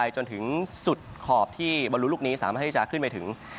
จนถึงสุดขอบที่บอลลูลูกนี้สามารถที่จะขึ้นไปถึง